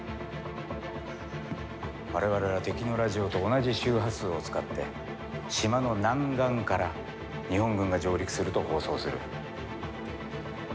われわれは敵のラジオと同じ周波数を使って、島の南岸から日本軍が上陸すると放送する。